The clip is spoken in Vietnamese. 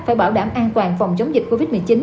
phải bảo đảm an toàn phòng chống dịch covid một mươi chín